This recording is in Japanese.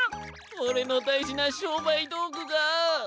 おれのだいじなしょうばいどうぐがっ！